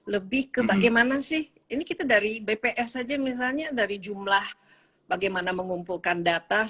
lebih ke bagaimana sih ini kita dari bps saja misalnya dari jumlah bagaimana mengumpulkan data